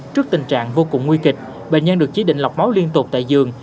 trước tình trạng vô cùng nguy kịch bệnh nhân được chỉ định lọc máu liên tục tại giường